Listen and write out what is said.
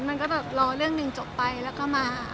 มันก็แบบรอเรื่องหนึ่งจบไปแล้วก็มา